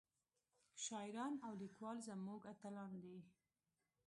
شاعران او ليکوال زمونږ اتلان دي